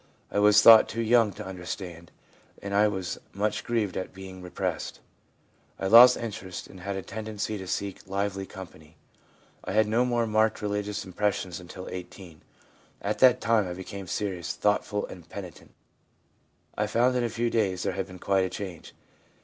I was thought too young to understand, and 1 was much grieved at being repressed. I lost interest, and had a tendency to seek lively company. I had no more marked religious impressions until 18; at that time I became serious, thoughtful and penitent. I found in a few days there had been quite a change.'